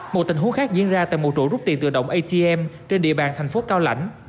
một tình huống khác diễn ra tại một trụ rút tiền tự động atm trên địa bàn thành phố cao lãnh